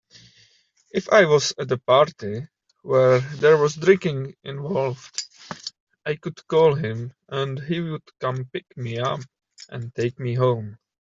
If I was at a party where there was drinking involved, I could call him and he would come pick me up and take me home.